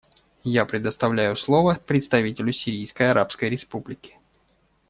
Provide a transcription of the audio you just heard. Я предоставляю слово представителю Сирийской Арабской Республики.